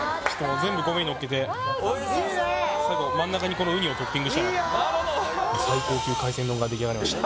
全部この上にのっけて最後真ん中にこのウニをトッピングしようかとが出来上がりました